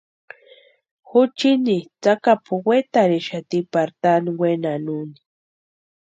Juchiini tsakapu wetarhixati pari taani wenani úni.